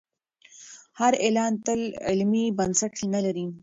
هر اعلان تل علمي بنسټ نه لري.